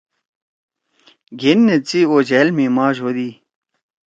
گھین نھید سی اوجھأل می ماش ہودی۔